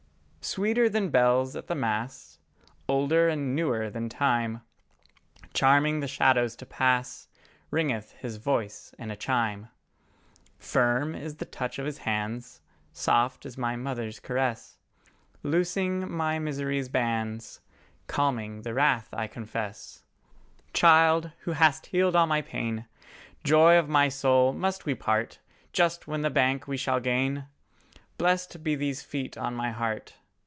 Sweeter than bells at the Mass, Older and newer than time, Charming the shadows to pass Ringeth His voice in a chime. Firm is the touch of His hands, Soft as my mother's caress, Loosing my misery's bands, Calming the wrath I confess. Child, who hast healed all my pain, Joy of my soul, must we part Just when the bank we shall gain? Blest be these feet on my heart!